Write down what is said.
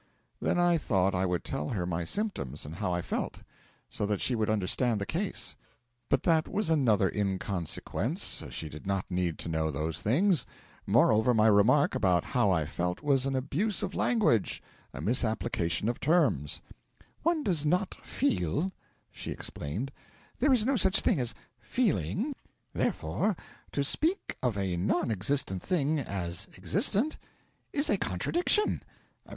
Then I thought I would tell her my symptoms and how I felt, so that she would understand the case; but that was another inconsequence, she did not need to know those things; moreover, my remark about how I felt was an abuse of language, a misapplication of terms 'One does not feel,' she explained; 'there is no such thing as feeling: therefore, to speak of a non existent thing as existent is a contradiction.